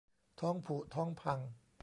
ท้องผุท้องพัง